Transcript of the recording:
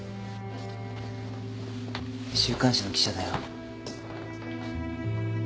週刊誌の記者だよ。